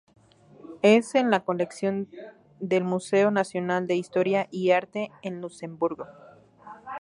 Es en la colección de la Museo Nacional de Historia y Arte en Luxemburgo.